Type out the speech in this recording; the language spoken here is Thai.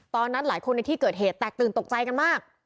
ตอนนั้นหลายคนในที่เกิดเหตุแตกตื่นตกใจกันมาก